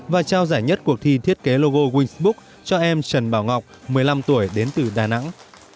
và trao giải nhất cuộc thi thiết kế logo wing book cho em trần bảo ngọc một mươi năm tuổi đến từ đà nẵng